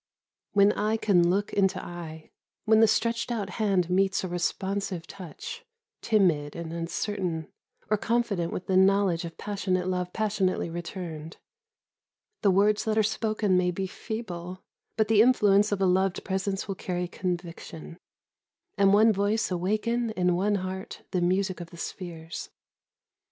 When eye can look into eye, when the stretched out hand meets a responsive touch, timid and uncertain, or confident with the knowledge of passionate love passionately returned, the words that are spoken may be feeble, but the influence of a loved presence will carry conviction, and one voice awaken in one heart the music of the spheres.